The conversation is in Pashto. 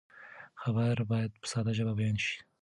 خبر باید په ساده ژبه بیان شي.